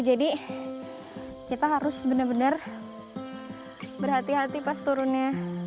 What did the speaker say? jadi kita harus benar benar berhati hati pas turunnya